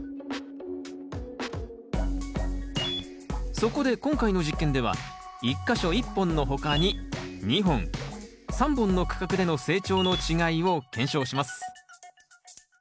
そこで今回の実験では１か所１本の他に２本３本の区画での成長の違いを検証します。